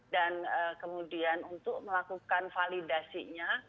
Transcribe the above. dan kemudian untuk melakukan validasinya